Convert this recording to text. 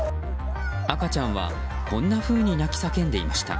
赤ちゃんはこんなふうに泣き叫んでいました。